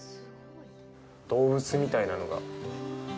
動物みたいなのが。